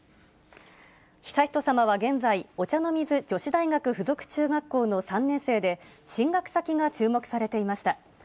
悠仁さまは現在、お茶の水女子大学附属中学校の３年生で、進学先が注目されていました。